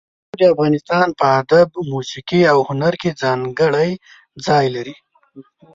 پښتو د افغانستان په ادب، موسيقي او هنر کې ځانګړی ځای لري.